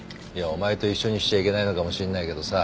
お前と一緒にしちゃいけないのかもしんないけどさ。